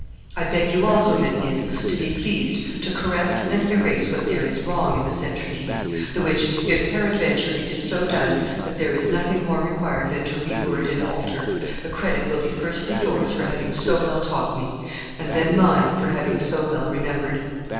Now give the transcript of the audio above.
... I beg you, also, Mesnil, to be pleased to correct and erase what there is wrong in the said treatise, the which, if peradventure it is so done that there is nothing more required than to re word and alter, the credit will be firstly yours for having so well taught me, and then mine for having so well remembered.